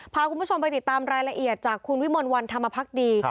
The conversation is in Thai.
พาคุณผู้ชมไปติดตามรายละเอียดจากคุณวิมลวันธรรมพักดี